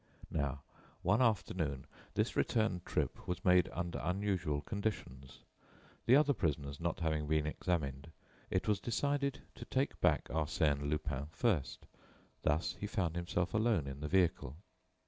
Now, one afternoon, this return trip was made under unusual conditions. The other prisoners not having been examined, it was decided to take back Arsène Lupin first, thus he found himself alone in the vehicle.